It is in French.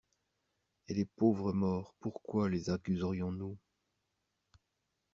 Et les pauvres morts pourquoi les accuserions-nous?